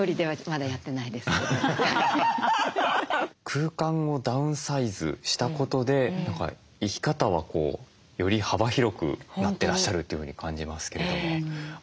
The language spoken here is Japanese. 空間をダウンサイズしたことで何か生き方はより幅広くなってらっしゃるというふうに感じますけども。